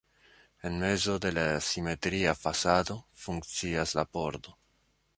En mezo de la simetria fasado funkcias la pordo.